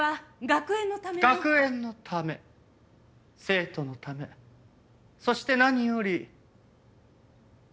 学園のため生徒のためそして何より。